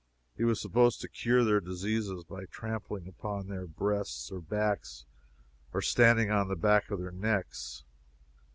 He was supposed to cure their diseases by trampling upon their breasts or backs or standing on the back of their necks.